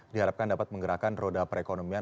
diharapkan dapat menggerakkan roda perekonomian